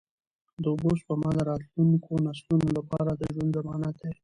د اوبو سپما د راتلونکو نسلونو لپاره د ژوند ضمانت دی.